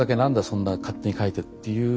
そんな勝手に書いて」っていう